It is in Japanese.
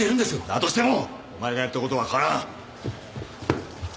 だとしてもお前がやった事は変わらん！